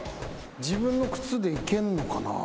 自分の靴でいけんのかな？